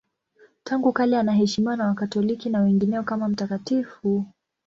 Tangu kale anaheshimiwa na Wakatoliki na wengineo kama mtakatifu.